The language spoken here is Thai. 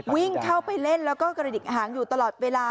วิ่งเข้าไปเล่นแล้วก็กระดิกหางอยู่ตลอดเวลา